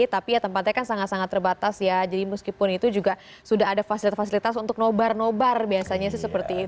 tapi ya tempatnya kan sangat sangat terbatas ya jadi meskipun itu juga sudah ada fasilitas fasilitas untuk nobar nobar biasanya sih seperti itu